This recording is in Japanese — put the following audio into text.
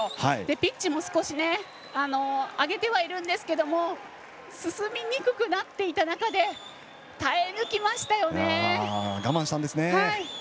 ピッチも少し上げてはいるんですけど進みにくくなっていた中で耐えぬきましたよね。